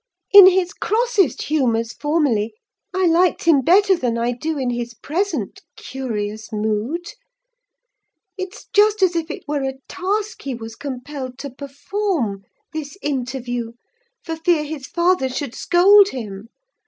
"In his crossest humours, formerly, I liked him better than I do in his present curious mood. It's just as if it were a task he was compelled to perform—this interview—for fear his father should scold him.